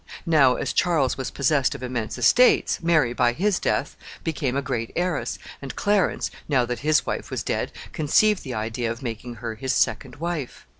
Now, as Charles was possessed of immense estates, Mary, by his death, became a great heiress, and Clarence, now that his wife was dead, conceived the idea of making her his second wife.